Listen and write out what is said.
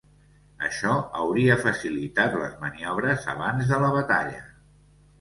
Això hauria facilitat les maniobres abans de la batalla.